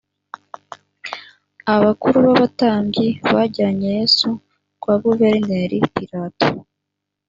abakuru b abatambyi bajyanye yesu kwa guverineri pilato